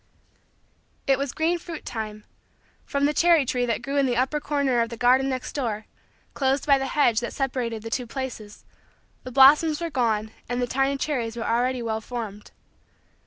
It was green fruit time. From the cherry tree that grew in the upper corner of the garden next door, close by the hedge that separated the two places, the blossoms were gone and the tiny cherries were already well formed.